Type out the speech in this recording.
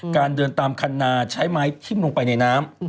การเดินตามคันนาใช้ไม้ทิ้มลงไปในน้ำ